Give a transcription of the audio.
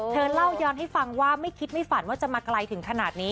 เธอเล่าย้อนให้ฟังว่าไม่คิดไม่ฝันว่าจะมาไกลถึงขนาดนี้